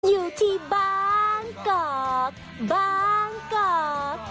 อยู่ที่บางกอกบางกอก